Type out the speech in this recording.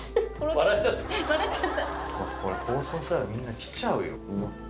これ放送されたらみんな来ちゃうよ。